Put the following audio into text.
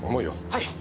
はい。